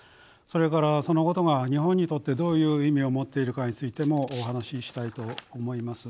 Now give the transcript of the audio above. それからそのことが日本にとってどういう意味を持っているかについてもお話ししたいと思います。